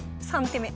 ３手目。